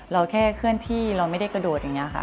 เราแค่เคลื่อนที่เราไม่ได้กระโดดอย่างนี้ค่ะ